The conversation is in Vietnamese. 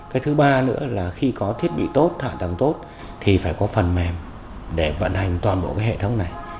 cái thứ ba nữa là khi có thiết bị tốt hạ tầng tốt thì phải có phần mềm để vận hành toàn bộ cái hệ thống này